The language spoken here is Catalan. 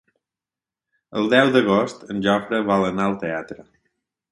El deu d'agost en Jofre vol anar al teatre.